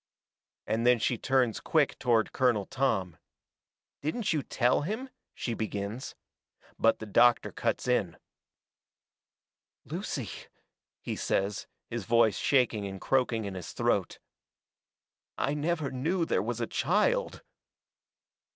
And then she turns quick toward Colonel Tom. "Didn't you tell him " she begins. But the doctor cuts in. "Lucy," he says, his voice shaking and croaking in his throat, "I never knew there was a child!"